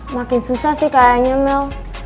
makin susah sih kayaknya mel